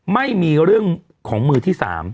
ไม่มีเรื่องของมือที่๓